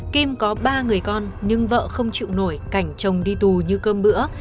kim có ba người con nhưng vợ không chịu nổi cảnh chồng đi tù như cơm bữa